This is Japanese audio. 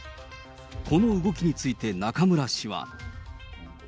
この動きについて、中村氏は。